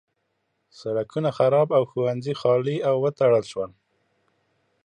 سړکونه خراب او ښوونځي خالي او وتړل شول.